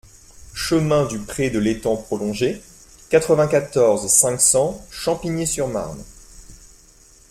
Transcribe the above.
Chemin du Pré de l'Etang Prolongé, quatre-vingt-quatorze, cinq cents Champigny-sur-Marne